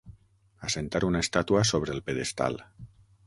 Assentar una estàtua sobre el pedestal.